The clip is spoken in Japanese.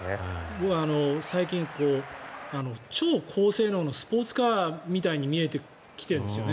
僕、最近超高性能のスポーツカーみたいに見えてきているんですよね。